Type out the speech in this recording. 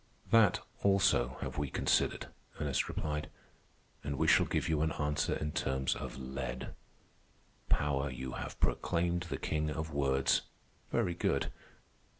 "That, also, have we considered," Ernest replied. "And we shall give you an answer in terms of lead. Power you have proclaimed the king of words. Very good.